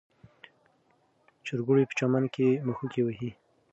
چرګوړي په چمن کې مښوکې وهي.